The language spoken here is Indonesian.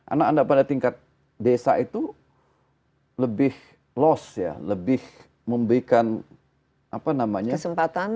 anak anda pada tingkat desa itu lebih plus ya lebih memberikan kesempatan atau peluang